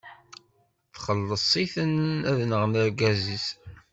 Txelleṣ-iten ad nɣen argaz-is.